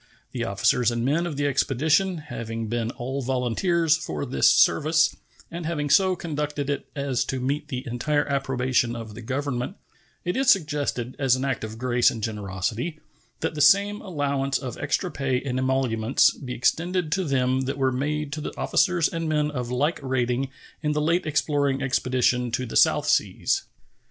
The officers and men of the expedition having been all volunteers for this service and having so conducted it as to meet the entire approbation of the Government, it is suggested, as an act of grace and generosity, that the same allowance of extra pay and emoluments be extended to them that were made to the officers and men of like rating in the late exploring expedition to the South Seas.